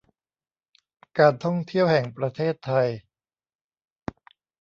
การท่องเที่ยวแห่งประเทศไทย